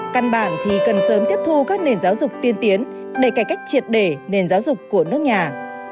căn bản thì cần sớm tiếp thu các nền giáo dục tiên tiến để cải cách triệt đề nền giáo dục của nước nhà